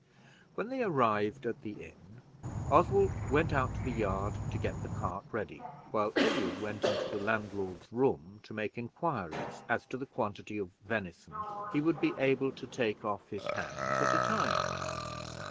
When they arrived at the inn, Oswald went out to the yard to get the cart ready, while Edward went into the landlord's room to make inquiries as to the quantity of venison he would be able to take off his hands at a time.